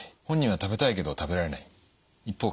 本人は食べたいけど食べられない。